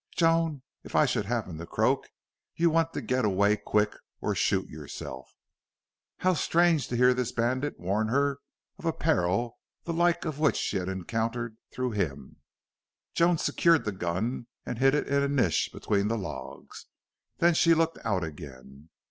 Joan, if I should happen to croak you want to get away quick... or shoot yourself." How strange to hear this bandit warn her of peril the like of which she had encountered through him! Joan secured the gun and hid it in a niche between the logs. Then she looked out again.